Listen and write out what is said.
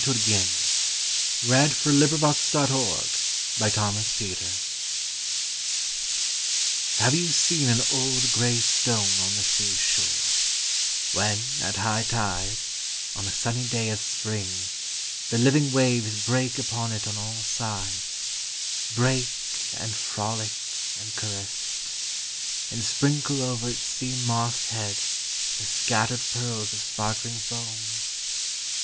Dec, 1878. 304 POEMS IN PROSE n [1879 1882] THE STONE Have you seen an old grey stone on the sea shore, when at high tide, on a sunny day of spring, the living waves break upon it on all sides — break and frolic and caress it — and sprinkle over its sea mossed head the scattered pearls of sparkling foam